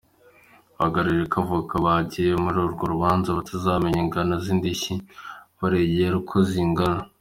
Bagaragaje ko abavoka bagiye muri urwo rubanza batazamenya ingano z’indishyi baregera uko zingana.